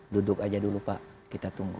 duduk aja dulu pak kita tunggu